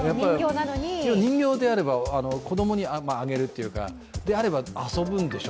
人形であれば、子供にあげるというか、であれば遊ぶんでしょ。